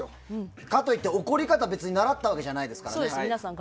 かといって怒り方を別に習ったわけじゃないですからね。